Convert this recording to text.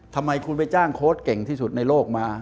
ทำไมคุณไปจ้างโค้ดเก่งที่สุดในโลกมา